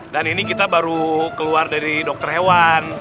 dan ini kita baru keluar dari dokter hewan